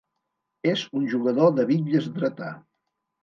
És un jugador de bitlles dretà.